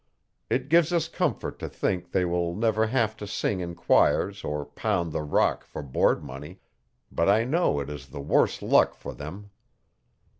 It gives us comfort to think they will never have to sing in choirs or 'pound the rock' for board money; but I know it is the worse luck for them.